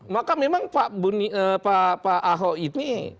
maka memang pak ahok ini